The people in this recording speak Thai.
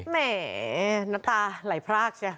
แหมหน้าตาไหลพรากจ๊ะ